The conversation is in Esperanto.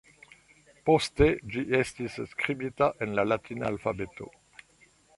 Poste ĝi estis skribita en la latina alfabeto.